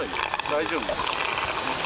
大丈夫？